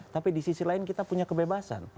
tapi di sisi lain kita punya kebebasan